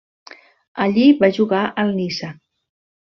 Allí va jugar al Niça.